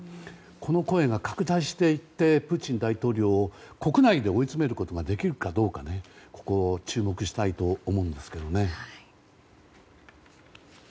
この声が拡大していってプーチン大統領を国内で追い詰めることができるかどうかここに注目したいと思うんですけどね。